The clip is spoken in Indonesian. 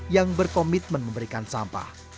yang berkomitmen memberikan sampah